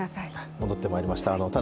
戻ってまいりました。